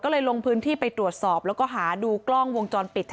ก็เลยลงพื้นที่ไปตรวจสอบแล้วก็หาดูกล้องวงจรปิด